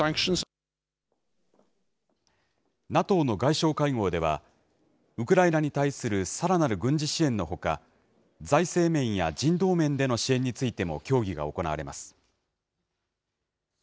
ＮＡＴＯの外相会合では、ウクライナに対するさらなる軍事支援のほか、財政面や人道面での支援についても協議が行われます。